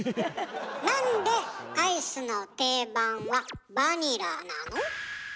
なんでアイスの定番はバニラなの？